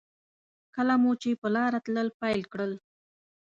کله مو چې په لاره تلل پیل کړل.